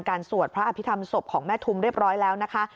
สวดพระอภิษฐรรมศพของแม่ทุมเรียบร้อยแล้วนะคะ